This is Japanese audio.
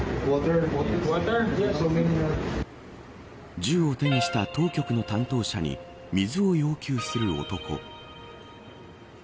銃を手にした当局の担当者に水を要求する男。